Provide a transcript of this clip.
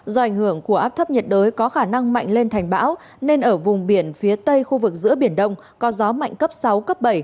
do ảnh hưởng của áp thấp nhiệt đới có khả năng mạnh lên thành bão nên ở vùng biển phía tây khu vực giữa biển đông có gió mạnh cấp sáu cấp bảy